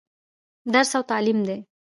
درس او تعليم دى.